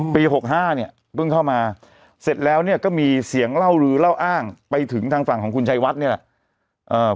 ๖๕เนี่ยเพิ่งเข้ามาเสร็จแล้วเนี่ยก็มีเสียงเล่าลือเล่าอ้างไปถึงทางฝั่งของคุณชัยวัดนี่แหละ